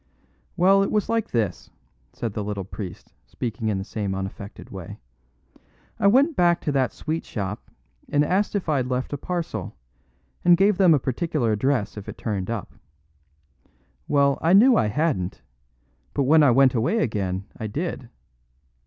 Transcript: "Well, it was like this," said the little priest, speaking in the same unaffected way. "I went back to that sweet shop and asked if I'd left a parcel, and gave them a particular address if it turned up. Well, I knew I hadn't; but when I went away again I did.